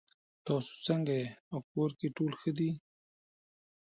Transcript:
تاسو څنګه یې او کور کې ټول ښه دي